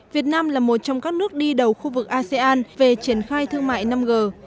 việt nam là một trong các nước đi đầu khu vực asean về triển khai thương mại năm g